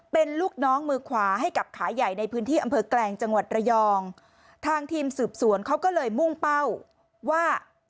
เป็นลูกน้องมือขวาให้กับขาใหญ่ในพื้นที่อำเภอแกลงจังหวัดระยองทางทีมสืบสวนเขาก็เลยมุ่งเป้าว่า